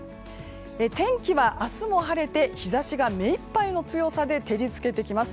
天気は明日も晴れて日差しが目いっぱいの強さで照りつけてきます。